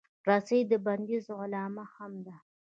رسۍ د بندیز علامه هم ده.